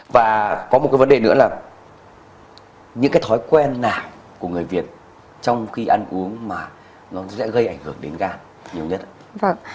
và có một cái vấn đề nữa là những cái thói quen nào của người việt trong khi ăn uống mà nó sẽ gây ảnh hưởng đến gan